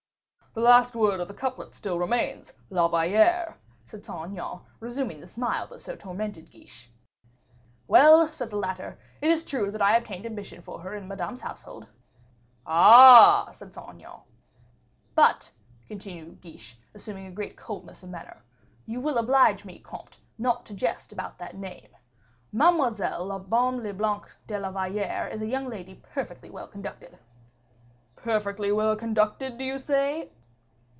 "The last word of the couplet still remains, La Valliere," said Saint Aignan, resuming the smile that so tormented Guiche. "Well," said the latter, "it is true that I obtained admission for her in Madame's household." "Ah!" said Saint Aignan. "But," continued Guiche, assuming a great coldness of manner, "you will oblige me, comte, not to jest about that name. Mademoiselle la Baume le Blanc de la Valliere is a young lady perfectly well conducted." "Perfectly well conducted do you say?"